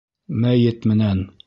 Мәйет менән.